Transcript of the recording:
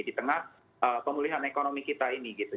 di tengah pemulihan ekonomi kita ini gitu